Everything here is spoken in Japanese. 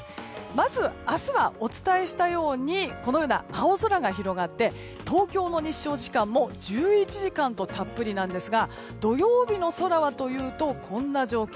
まず明日は、お伝えしたようにこのような青空が広がって東京の日照時間も１１時間とたっぷりなんですが土曜日の空はというとこんな状況。